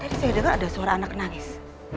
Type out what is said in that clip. saya dengar ada suara anak nangis